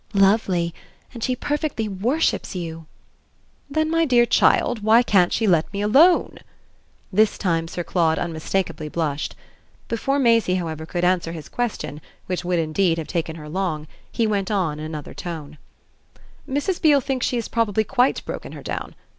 "Lovely and she perfectly worships you." "Then, my dear child, why can't she let me alone?" this time Sir Claude unmistakeably blushed. Before Maisie, however, could answer his question, which would indeed have taken her long, he went on in another tone: "Mrs. Beale thinks she has probably quite broken her down.